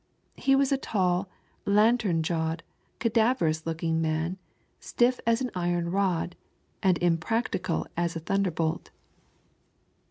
He waa a tall, lantern jawed, cadaverous looking man, stiff as an iron rod and im practicable as a thunderbolt.